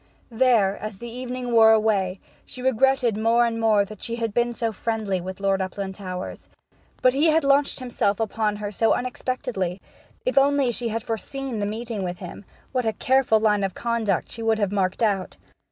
There, as the evening wore away, she regretted more and more that she had been so friendly with Lord Uplandtowers. But he had launched himself upon her so unexpectedly: if she had only foreseen the meeting with him, what a careful line of conduct she would have marked out!